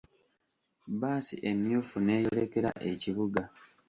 Bbaasi emyufu n'eyolekera ekibuga.